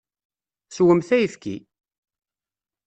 Swemt ayefki!